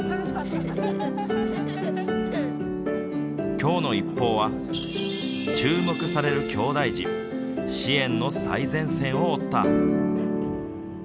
きょうのＩＰＰＯＵは注目されるきょうだい児支援の最前線を追った。